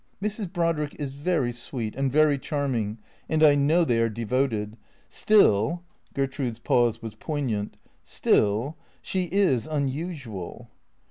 " Mrs. Brodrick is very sweet and very charming, and I know they are devoted. Still "— Gertrude's pause was poignant —" still — she is unusual."